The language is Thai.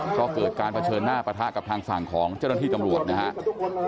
ก็เกิดการเผชิญหน้าปะทะกับทางฝั่งของเจ้าหน้าที่ตำรวจนะครับ